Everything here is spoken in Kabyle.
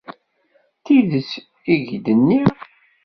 D tidet i k-d-nniɣ.